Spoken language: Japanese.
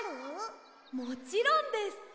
もちろんです。